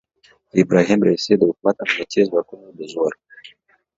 د ابراهیم رئیسي د حکومت امنیتي ځواکونو د زور